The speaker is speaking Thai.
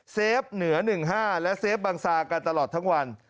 เฟฟเหนือ๑๕และเซฟบังซากันตลอดทั้งวัน